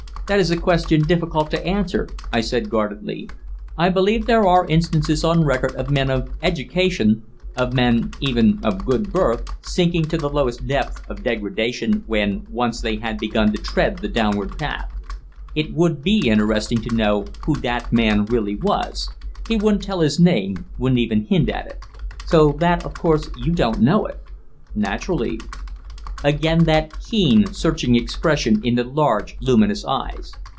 "That is a question difficult to answer," I said guardedly. "I believe there are instances on record of men of education, of men even of good birth, sinking to the lowest depth of degradation when once they had begun to tread the downward path. It would be interesting to know who that man really was. He wouldn't tell his name, wouldn't even hint at it." "So that of course you don't know it." "Naturally." Again that keen, searching expression in the large, luminous eyes.